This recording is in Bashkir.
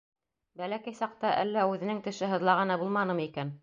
Бәләкәй саҡта әллә үҙенең теше һыҙлағаны булманымы икән?